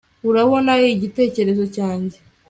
urabona igitekerezo cyanjye